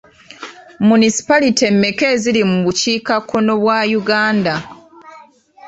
Munisipalite mmeka eziri mu bukiikakkono bwa Uganda?